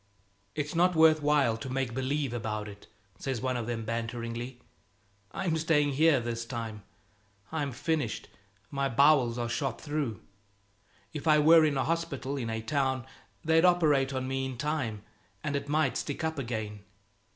"It's not worth while to make believe about it," says one of them banteringly. "I'm staying here this time. It's finished my bowels are shot through. If I were in a hospital, in a town, they'd operate on me in time, and it might stick up again.